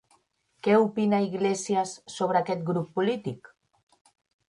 Què opina Iglesias sobre aquest grup polític?